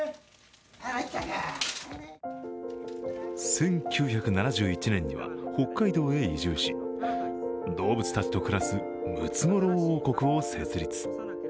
１９７１年には北海道へ移住し動物たちと暮らすムツゴロウ王国を設立。